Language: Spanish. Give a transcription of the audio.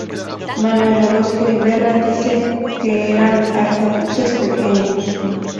Manuel Orozco y Berra dice que eran arcabuces pequeños.